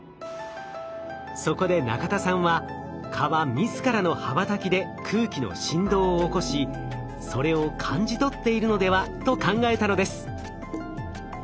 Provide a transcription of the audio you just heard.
そこで中田さんは蚊は自らの羽ばたきで空気の振動を起こしそれを感じ取っているのではと考えたのです。